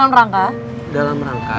eh dalam rangka